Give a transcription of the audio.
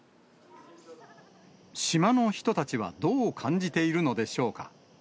島の人たちはどう感じているのでしょうか。